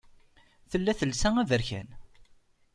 Tella telsa aberkan.